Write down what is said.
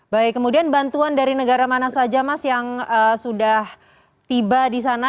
baik kemudian bantuan dari negara mana saja mas yang sudah tiba di sana